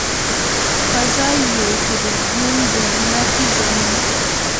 پزه یو ټریلیون بویونه پېژني.